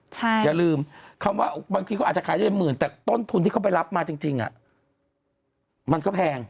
อย่าลืมคำว่าบางทีเขาอาจจะขายได้เป็นหมื่นแต่ต้นทุนที่เขาไปรับมาจริงมันก็แพง